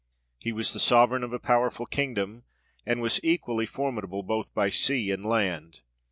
He was the sovereign of a powerful kingdom, and was equally formidable, both by sea and land.